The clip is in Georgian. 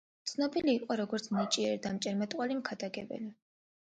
ცნობილი იყო როგორც ნიჭიერი და მჭევრმეტყველი მქადაგებელი.